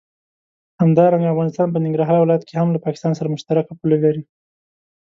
همدارنګه افغانستان په ننګرهار ولايت کې هم له پاکستان سره مشترکه پوله لري.